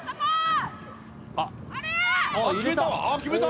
あっ入れた！